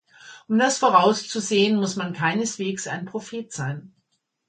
Um das vorauszusehen, muss man keineswegs ein Prophet sein.